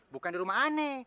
bukan di rumah aneh